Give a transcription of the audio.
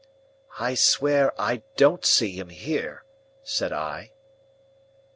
"I swear I don't see him here," said I.